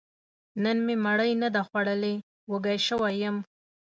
نن مې مړۍ نه ده خوړلې، وږی شوی يم